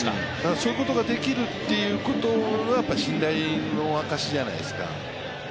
そういうことができるっていうことが信頼の証しじゃないですか。